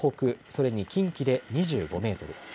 それに近畿で２５メートル